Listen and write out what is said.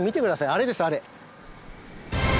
あれですよあれ。